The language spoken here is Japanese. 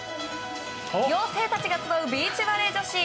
妖精たちが集うビーチバレー女子。